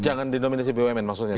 jangan didominasi bumn maksudnya